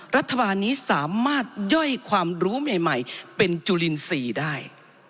รัฐบาลนี้สามารถย่อยความรู้ใหม่เป็นจุลินทรีย์ได้